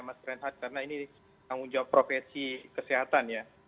mas prenhat karena ini menanggung jawab profesi kesehatan ya